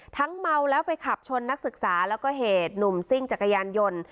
เมาแล้วไปขับชนนักศึกษาแล้วก็เหตุหนุ่มซิ่งจักรยานยนต์